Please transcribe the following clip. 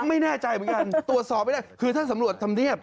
ไม่แน่ใจเหมือนกันตรวจสอบไม่ได้คือถ้าสำรวจธรรมเนียบ